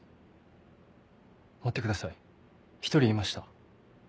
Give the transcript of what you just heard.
待ってください１人いました。